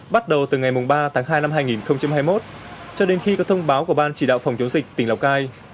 bắt đầu từ ngày ba tháng hai năm hai nghìn hai mươi một cho đến khi có thông báo của ban chỉ đạo phòng chống dịch tỉnh lào cai